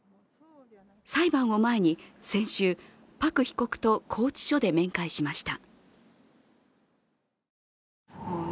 裁判を前に、先週パク被告と拘置所で面会しました。